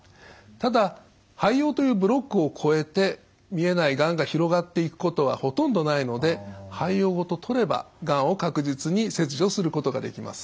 ただ肺葉というブロックを越えて見えないがんが広がっていくことはほとんどないので肺葉ごと取ればがんを確実に切除することができます。